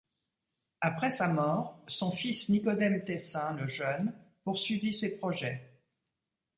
Après sa mort, son fils Nicodème Tessin le Jeune poursuivit ses projets.